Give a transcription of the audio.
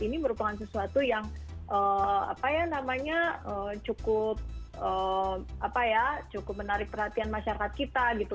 ini merupakan sesuatu yang cukup menarik perhatian masyarakat kita gitu